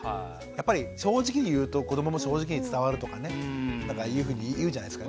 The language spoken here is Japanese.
やっぱり正直に言うと子どもも正直に伝わるとかねいうふうにいうじゃないですか。ね？